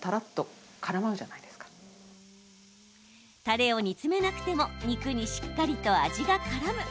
たれを煮詰めなくても肉にしっかりと味がからむ。